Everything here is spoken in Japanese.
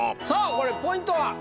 これポイントは？